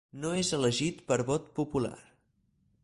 No és elegit per vot popular.